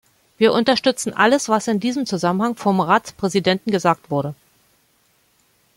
Wir unterstützen alles, was in diesem Zusammenhang vom Ratspräsidenten gesagt wurde.